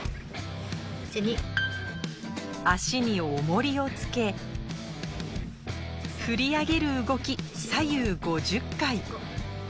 足に重りをつけ振り上げる動き左右５０回。